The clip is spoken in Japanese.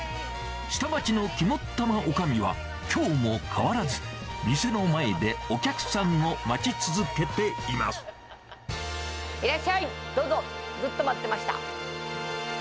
下町の肝っ玉おかみは、きょうも変わらず店の前でお客さんを待ちいらっしゃい、どうぞ。